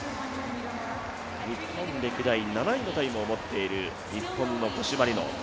日本歴代７位のタイムを持っている日本の五島莉乃。